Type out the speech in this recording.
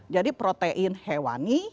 jadi protein hewani